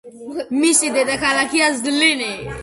მისი დედაქალაქია ზლინი.